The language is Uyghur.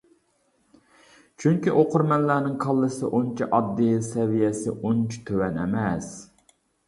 چۈنكى ئوقۇرمەنلەرنىڭ كاللىسى ئۇنچە ئاددىي، سەۋىيەسى ئۇنچە تۆۋەن ئەمەس.